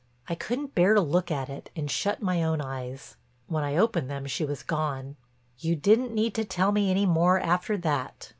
I couldn't bear to look at it and shut my own eyes; when I opened them she was gone. You didn't need to tell me any more after that.